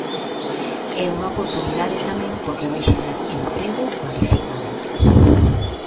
É unha oportunidade tamén porque vai xerar emprego cualificado.